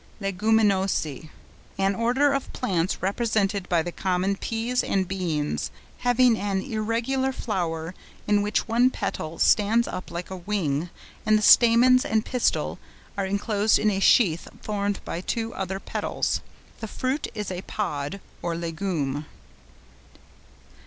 LEGUMINOSÆ.—An order of plants represented by the common peas and beans, having an irregular flower in which one petal stands up like a wing, and the stamens and pistil are enclosed in a sheath formed by two other petals. The fruit is a pod (or legume).